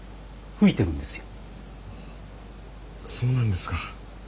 そうなんですか。